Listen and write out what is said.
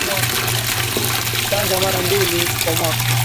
Chanja mara mbili kwa mwaka